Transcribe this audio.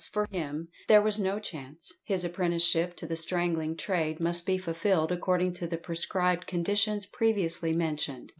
for him there was no chance, his apprenticeship to the strangling trade must be fulfilled according to the prescribed conditions previously mentioned.